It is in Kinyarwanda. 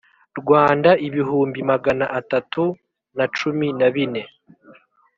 Rwanda ibihumbi magana atatu na cumi na bine